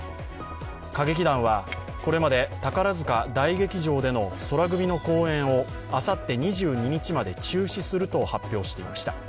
歌劇団はこれまで宝塚大劇場での宙組の公演をあさって２２日まで中止すると発表していました